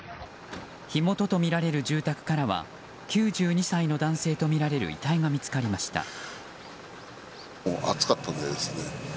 火元とみられる住宅からは９２歳の男性とみられる遺体が見つかりました。